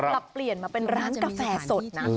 ปรับเปลี่ยนมาเป็นร้านกาแฟสดนะ